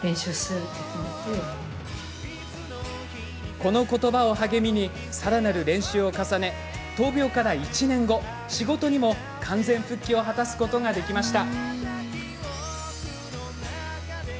このことばを励みにさらなる練習を重ね闘病から１年後仕事にも完全復帰を果たすことができました。